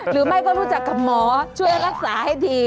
หรือไม่ก็รู้จักกับหมอช่วยรักษาให้ดี